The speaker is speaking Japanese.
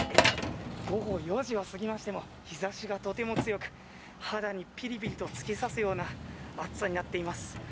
午後４時を過ぎましても日差しがとても強く肌にぴりぴりと突き刺すような暑さになっています。